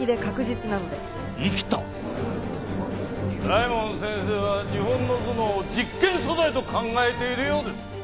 大門先生は日本の頭脳を実験素材と考えているようです。